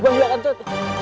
gue nggak kentut